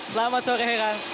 selamat sore herang